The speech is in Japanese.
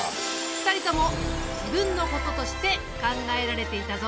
２人とも自分のこととして考えられていたぞ。